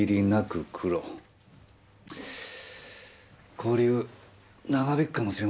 拘留長引くかもしれませんね